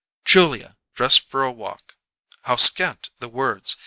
"Julia, dressed for a walk" how scant the words!